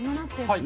はい。